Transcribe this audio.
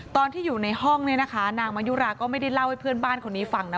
ตอนที่อยู่ในห้องเนี่ยนะคะนางมายุราก็ไม่ได้เล่าให้เพื่อนบ้านคนนี้ฟังนะ